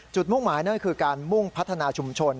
มุ่งหมายนั่นก็คือการมุ่งพัฒนาชุมชน